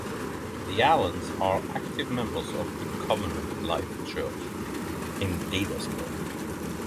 The Allens are active members of the Covenant Life Church in Gaithersburg.